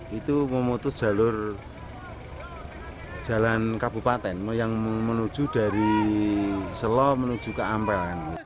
di tompak tarubatang ini itu memutus jalur jalan kabupaten yang menuju dari selau menuju ke ampel